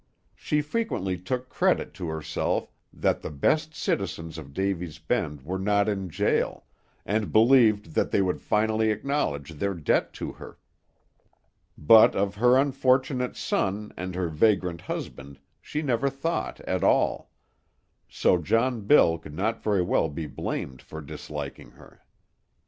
She frequently took credit to herself that the best citizens of Davy's Bend were not in jail, and believed that they would finally acknowledge their debt to her; but of her unfortunate son and her vagrant husband she never thought at all; so John Bill could not very well be blamed for disliking her.